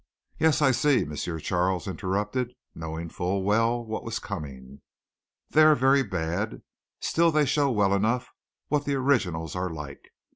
"Yes, I see," M. Charles interrupted, knowing full well what was coming. "They are very bad. Still they show well enough what the originals are like.